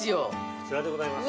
こちらでございます。